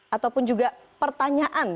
ataupun juga pertanyaan